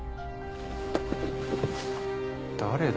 誰だ？